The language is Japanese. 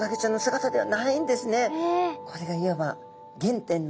これがいわば原点のような。